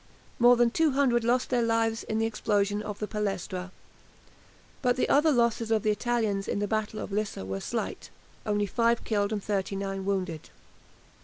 More than 200 lost their lives in the explosion of the "Palestra," but the other losses of the Italians in the Battle of Lissa were slight, only 5 killed and 39 wounded.